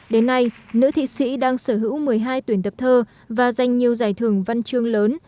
đến nay nữ thị sĩ đang sở hữu một mươi hai tuyển tập thơ và giành nhiều giải thưởng văn chương lớn